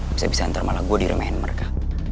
bisa bisa malah gue diremehin mereka